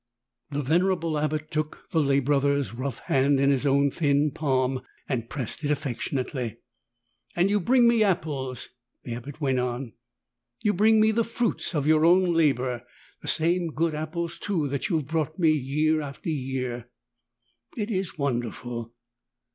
The venerable Abbot took the lay Brother's rough hand in his own thin palm, and pressed it affectionately. "And you bring me apples," the Abbot went on: "you bring me the fiaiits of your own labor. The same good apples too that you have brought me year by year: it is wonderful